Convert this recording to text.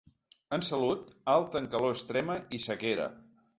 En salut, alt en calor extrema i sequera.